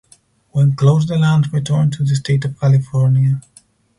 When closed the land returned to the State of California.